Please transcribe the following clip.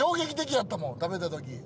食べた時。